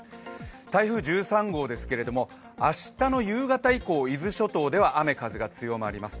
台風１３号ですけれども明日の夕方以降、伊豆諸島で発達します。